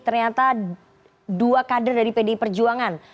ternyata dua kader dari pdi perjuangan